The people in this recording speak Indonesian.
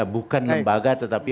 bukan lembaga tetapi